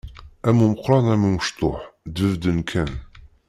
Am umeqqran am umecṭuḥ, ddbedben akk!